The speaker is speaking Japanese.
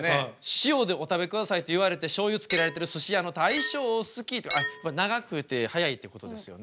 塩でお食べくださいって言われてしょうゆつけられてるすし屋の大将好きって長くて速いってことですよね。